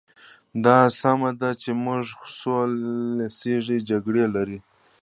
دا سمه ده چې موږ څو لسیزې جګړې لرلې.